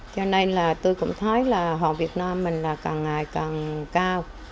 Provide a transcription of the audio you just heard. cho nên là tôi cũng thấy là hàng việt nam mình là càng ngày càng cao